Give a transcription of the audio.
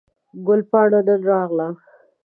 ګل پاڼه نن راغله